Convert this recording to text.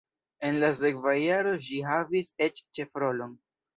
En la sekva jaro ŝi havis eĉ ĉefrolon.